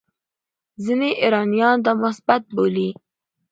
ځینې ایرانیان دا مثبت بولي.